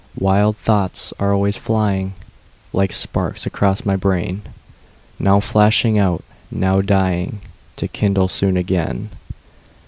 Wild thoughts are always flying, Like sparks across my brain, Now flashing out, now dying, To kindle soon again.